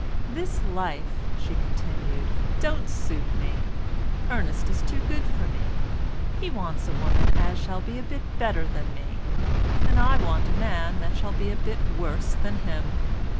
"This life," she continued, "don't suit me. Ernest is too good for me; he wants a woman as shall be a bit better than me, and I want a man that shall be a bit worse than him.